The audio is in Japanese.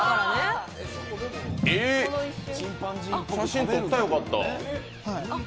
写真撮ったらよかった。